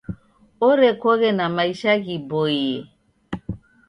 Orekoghe na maisha ghiboie.